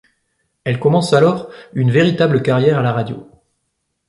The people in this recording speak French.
Elle commence alors une véritable carrière à la radio.